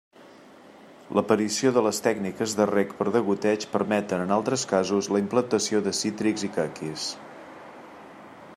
L'aparició de les tècniques de reg per degoteig permeten, en altres casos, la implantació de cítrics i caquis.